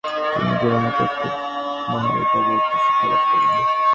তিনি গ্যুমে তন্ত্র মহাবিদ্যালয়ে তন্ত্র শিক্ষালাভ করেন।